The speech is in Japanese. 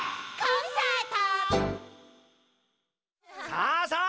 さあさあ